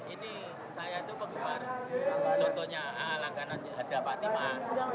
ini saya itu penggemar sotonya ala kanan haja fatima